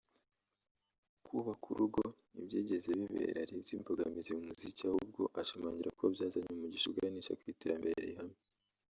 Kubaka urugo ntibyigeze bibera Liza imbogamizi mu muziki ahubwo ashimangira ko byazanye umugisha uganisha ku iterambere rihamye